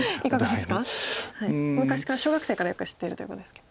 昔から小学生からよく知ってるということですけど。